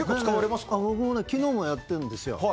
昨日もやってるんですよ。